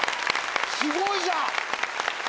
すごいじゃん！